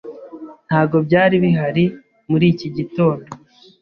Ntabwo byari bihari muri iki gitondo.